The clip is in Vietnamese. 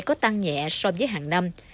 có tăng nhẹ so với hàng năm